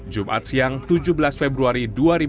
jumat siang tujuh belas februari dua ribu dua puluh